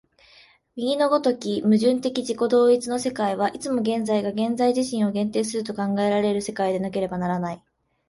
右の如き矛盾的自己同一の世界は、いつも現在が現在自身を限定すると考えられる世界でなければならない。